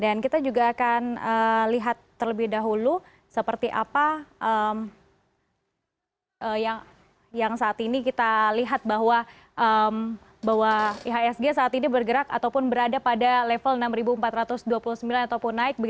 dan kita juga akan lihat terlebih dahulu seperti apa yang saat ini kita lihat bahwa ihsg saat ini bergerak ataupun berada pada level enam ribu empat ratus dua puluh sembilan ataupun naik